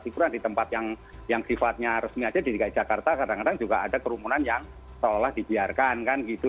kurang di tempat yang sifatnya resmi aja di dki jakarta kadang kadang juga ada kerumunan yang seolah dibiarkan kan gitu